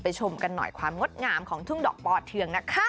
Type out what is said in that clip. ชมกันหน่อยความงดงามของทุ่งดอกปอเทืองนะคะ